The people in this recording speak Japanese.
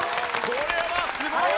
これはすごい！